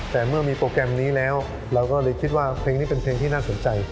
แต่เมื่อมีโปรแกรมนี้แล้วเราก็เลยคิดว่าเพลงนี้เป็นเพลงที่น่าสนใจ